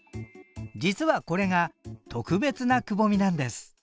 実はこれが特別なくぼみなんです。